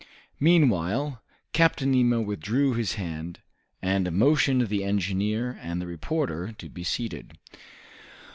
Meanwhile Captain Nemo withdrew his hand, and motioned the engineer and the reporter to be seated.